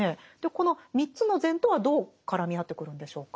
この３つの善とはどう絡み合ってくるんでしょうか？